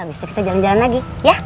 abis itu kita jalan jalan lagi ya